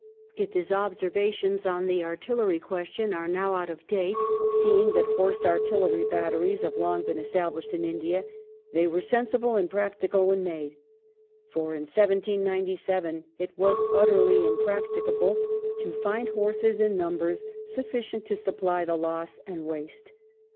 If his observations upon the artillery question are now out of date, seeing that horse artillery batteries have long been established in India, they were sensible and prac tical when made; for in 1797 it was utterly imprac ticable to find horses in numbers sufiicient to supply the loss and waste.